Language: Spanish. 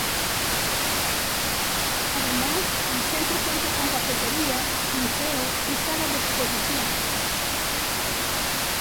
Además el centro cuenta con cafetería, museo y salas de exposición.